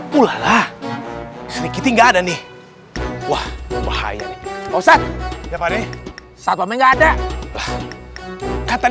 waduh maaf kita nggak sengaja udah ini kejar udah udah udah udah udah udah